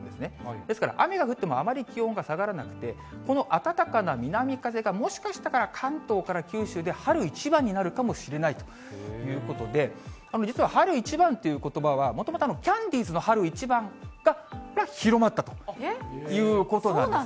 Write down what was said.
ですから、雨が降ってもあまり気温が下がらなくて、この暖かな南風がもしかしたら関東から九州で春一番になるかもしれないということで、実は春一番ということばは、もともとキャンディーズの春一番が広まったということなんです。